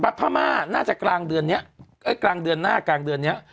พม่าน่าจะกลางเดือนเนี้ยเอ้ยกลางเดือนหน้ากลางเดือนเนี้ย